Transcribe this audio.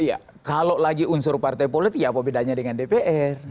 iya kalau lagi unsur partai politik ya apa bedanya dengan dpr